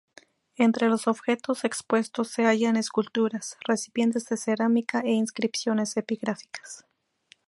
Entre los objetos expuestos se hallan esculturas, recipientes de cerámica e inscripciones epigráficas.